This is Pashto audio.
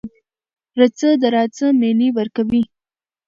رڅه .د راځه معنی ورکوی